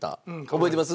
覚えてます？